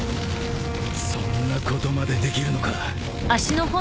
そんなことまでできるのか。